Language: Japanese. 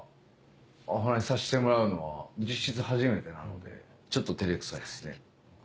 「お話しさせてもらうのは実質初めてなのでちょっと照れくさいっすね」